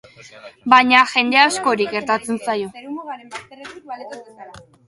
Baina jende askori gertatzen zaio.